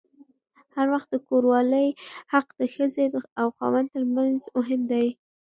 هر وخت د کوروالې حق د ښځې او خاوند ترمنځ مهم دی.